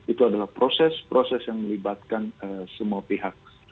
itu adalah proses proses yang melibatkan semua pihak